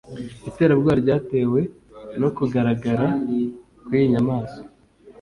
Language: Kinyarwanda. Iterabwoba ryatewe no kugaragara kw'iyi nyamaswa